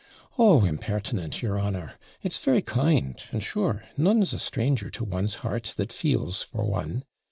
'Oh, impertinent, your honour! it's very kind and, sure, none's a stranger to one's heart, that feels for one.